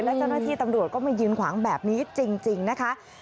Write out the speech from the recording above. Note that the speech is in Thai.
และเจ้าหน้าที่ตำรวจก็มายืนขวางแบบนี้จริงนะคะ